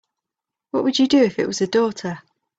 What would you do if it was a daughter?